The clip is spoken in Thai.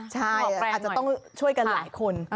ใช่อาจจะต้องช่วยกันหลายคน